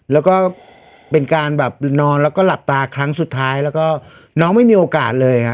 แล้วก็เป็นการแบบนอนแล้วก็หลับตาครั้งสุดท้ายแล้วก็น้องไม่มีโอกาสเลยครับ